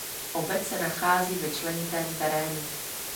Obec se nachází ve členitém terénu.